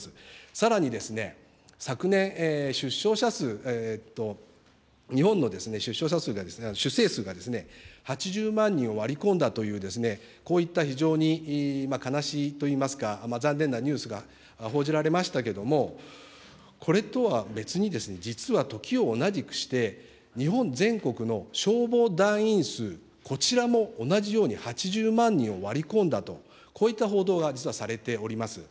さらに、昨年、出生者数、日本の出生者数が、出生数が８０万人を割り込んだという、こういった非常に悲しいといいますか、残念なニュースが報じられましたけれども、これとは別に、実は時を同じくして、日本全国の消防団員数、こちらも同じように８０万人を割り込んだと、こういった報道が実はされております。